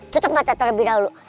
tutup mata terlebih dahulu